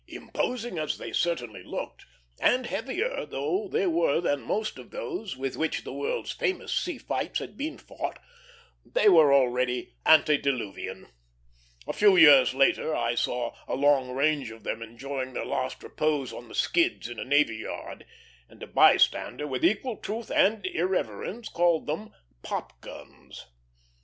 Imposing as they certainly looked, and heavier though they were than most of those with which the world's famous sea fights have been fought, they were already antediluvian. A few years later I saw a long range of them enjoying their last repose on the skids in a navy yard; and a bystander, with equal truth and irreverence, called them pop guns.